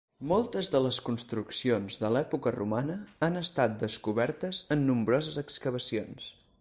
Moltes de les construccions de l'època romana han estat descobertes en nombroses excavacions.